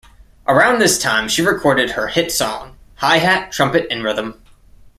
Around this time she recorded her hit song "High Hat, Trumpet, and Rhythm".